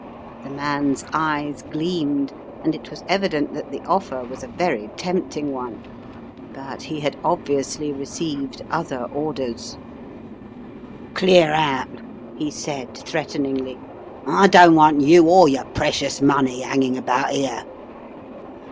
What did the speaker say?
The man's eyes gleamed, and it was evident that the offer was a very tempting one. But he had obviously received other orders. 262 The Riddle of the Purple Emperor "Clear out," he said, threateningly. "I don't want you or your precious money hanging about here."